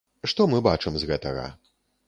Што мы бачым з гэтага?